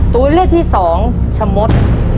ตัวเลือดที่๒ชะมด